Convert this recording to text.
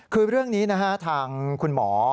คือเรื่องนี้นะฮะทางคุณหมอ